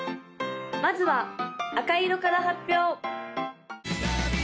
・まずは赤色から発表！